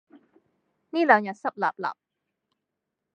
呢兩日濕立立